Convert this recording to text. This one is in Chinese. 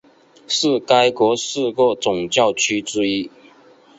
是该国四个总教区之一。